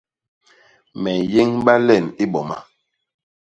Me nyéñba len i boma.